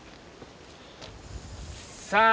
さあ